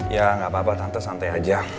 ya gak apa apa tante santai aja